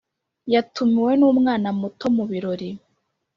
Yatumiwe n umwana muto mu birori